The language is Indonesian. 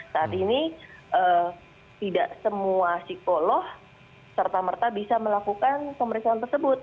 saat ini tidak semua psikolog serta merta bisa melakukan pemeriksaan tersebut